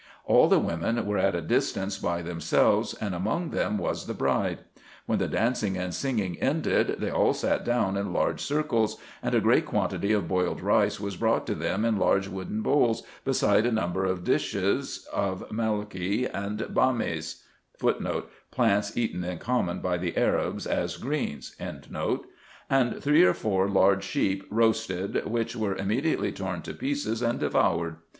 All the women were at a distance by them selves, and among them was the bride. When the dancing and singing ended, they all sat down in large circles; and a great quantity of boiled rice was brought to them in large wooden bowls, beside a number of dishes of melokie and bamies*, and three or four large sheep roasted, which were immediately torn to pieces and devoured.